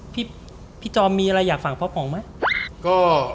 พี่จอมมีอะไรอยากฝากพ่อป๋องไหม